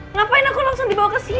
ngapain aku langsung dibawa kesini